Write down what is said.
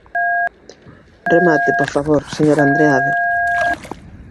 Remate, por favor, señor Andreade.